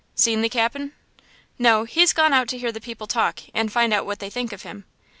Seen the cap'n?" "No, he's gone out to hear the people talk, and find out what they think of him."